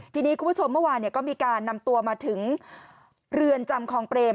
ทีนี้คุณผู้ชมเมื่อวานก็มีการนำตัวมาถึงเรือนจำคลองเปรม